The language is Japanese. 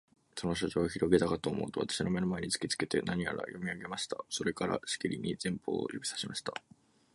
その書状をひろげたかとおもうと、私の眼の前に突きつけて、何やら読み上げました。それから、しきりに前方を指さしました。